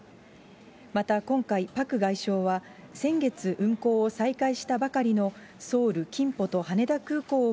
また、今回、パク外相は先月運航を再開したばかりのソウルキンポと羽田空港を